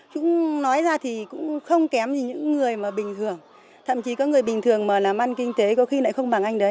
chúng nói ra thì cũng không kém gì những người mà bình thường thậm chí có người bình thường mà làm ăn kinh tế có khi lại không bằng anh đấy